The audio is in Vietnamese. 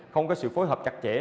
không có sự phối hợp chặt chẽ